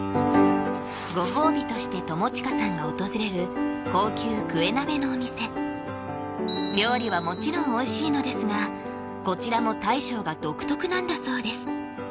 ご褒美として友近さんが訪れる高級クエ鍋のお店料理はもちろんおいしいのですがこちらも大将が独特なんだそうです